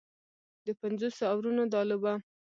د پنځوسو اورونو دا لوبه